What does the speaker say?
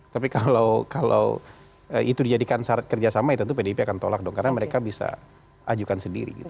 tapi kalau itu dijadikan syarat kerjasama ya tentu pdip akan tolak dong karena mereka bisa ajukan sendiri gitu